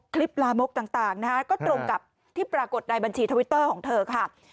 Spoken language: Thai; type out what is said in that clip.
ลามกต่างนะฮะก็ตรงกับที่ปรากฏในบัญชีทวิตเตอร์ของเธอค่ะ